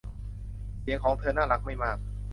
เสียงของเธอน่ารักไม่มาก